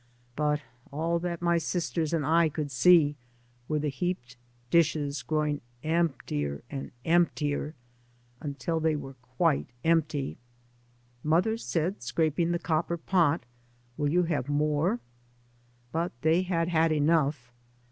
But all that my sisters and I could see were the heaped dishes growing emptier and emptier — until they were quite empty. Mother said, scraping the copper pot, " Will you have more? " But they had had enough.